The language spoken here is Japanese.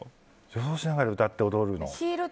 女装しながら歌って踊るの。